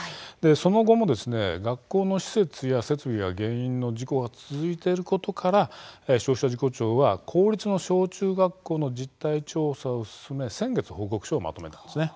その後も学校の施設や設備の原因の事故が続いていることから消費者事故調は公立の小中学校の実態調査を進め、先月報告書をまとめたんです。